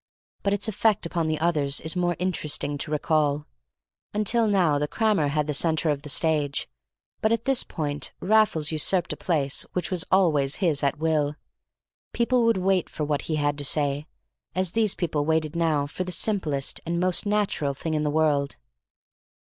But its effect upon the others is more interesting to recall. Until now the crammer had the centre of the stage, but at this point Raffles usurped a place which was always his at will. People would wait for what he had to say, as these people waited now for the simplest and most natural thing in the world.